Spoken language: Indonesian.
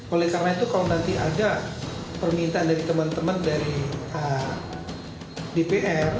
oleh karena itu kalau nanti ada permintaan dari teman teman dari dpr